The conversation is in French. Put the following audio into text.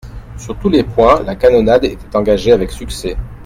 Sur tous les points, la canonnade était engagée avec succès.